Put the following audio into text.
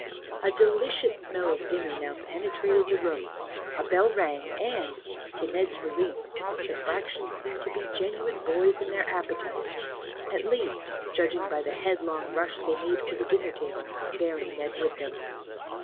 A delicious smell of dinner now penetrated the room, a bell rang, and, to Ned's relief, the fractions seemed to be genuine boys in their appetites, at least, judging by the headlong rush they made for the dinner table, bearing Ned with them.